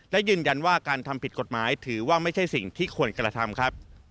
และยืนยันว่าการทำผิดกฎหมายถือว่าไม่ใช่สิ่งที่ควรกระทำครับ